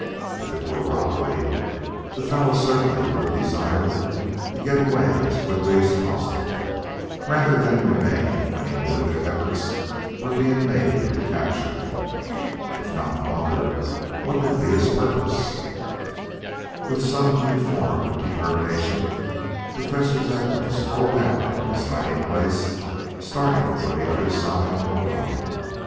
If it were robbery, the fellow certainly would desire to get away as quickly as possible, rather than remain when he knew that efforts were being made to capture him. If not plunder, what could be his purpose? With suddenly formed determination, Professor Zepplin strode out from his hiding place, starting for the other side on a run.